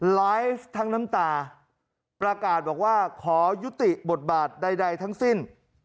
ไลฟ์ทั้งน้ำตาประกาศบอกว่าขอยุติบทบาทใดทั้งสิ้น